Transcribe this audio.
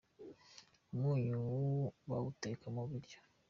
umunyu bawuteka mubiryo